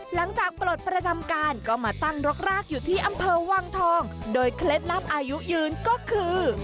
ปลดประจำการก็มาตั้งรกรากอยู่ที่อำเภอวังทองโดยเคล็ดลับอายุยืนก็คือ